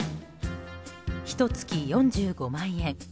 ひと月４５万円。